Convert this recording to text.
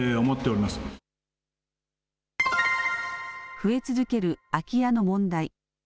増え続ける空き家の問題。